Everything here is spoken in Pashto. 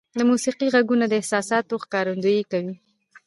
• د موسیقۍ ږغونه د احساساتو ښکارندویي کوي.